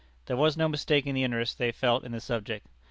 There was no mistaking the interest they felt in the subject.